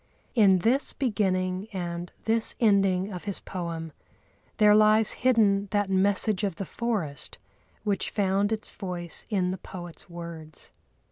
In this beginning and this ending of his poem there lies hidden that message of the forest which found its voice in the poet's words.